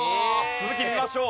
続き見ましょう。